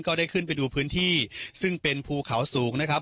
ได้ขึ้นไปดูพื้นที่ซึ่งเป็นภูเขาสูงนะครับ